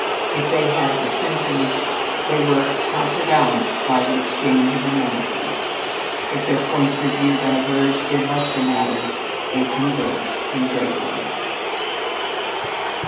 If they had dissensions, these were counterbalanced by the exchange of amenities. If their points of view diverged in lesser matters, they converged in great ones.